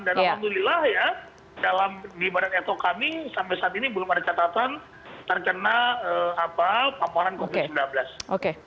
dan alhamdulillah ya di barang eto kami sampai saat ini belum ada catatan terkena pamparan covid sembilan belas